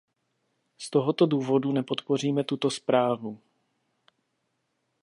Z tohoto důvodu nepodpoříme tuto zprávu.